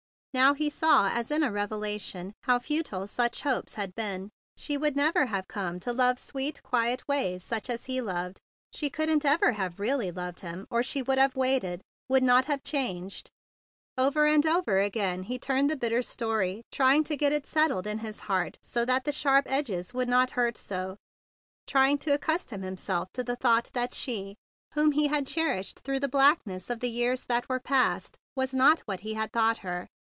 Now he saw as in a revelation how futile such hopes had been. She would never have come to love sweet, quiet ways such as he loved. She couldn't ever have really loved him, or she would have waited, would not have changed. THE BIG BLUE SOLDIER 39 Over and over again he turned the bitter story, trying to get it settled in his heart so that the sharp edges would not hurt so, trying to accustom himself to the thought that she whom he had cherished through the blackness of the years that were past was not what he had thought her.